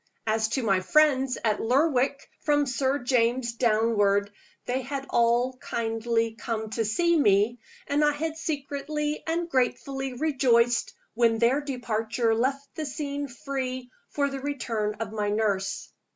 As to my friends at Lerwick, from Sir James downward, they had all kindly come to see me and I had secretly and ungratefully rejoiced when their departure left the scene free for the return of my nurse.